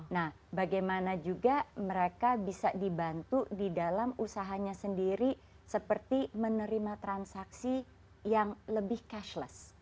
nah bagaimana juga mereka bisa dibantu di dalam usahanya sendiri seperti menerima transaksi yang lebih cashless